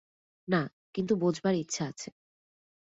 না, কিন্তু বোঝবার ইচ্ছা আছে।